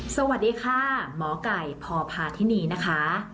สวัสดีค่ะหมอไก่พพาธินีนะคะ